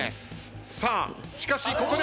さあしかしここで！